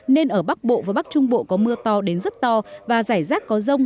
nên ở bắc bộ và bắc trung bộ có mưa to đến rất to và rải rác có rông